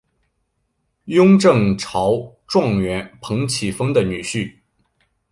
雍正朝状元彭启丰的女婿。